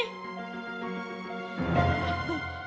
tunggu tunggu tunggu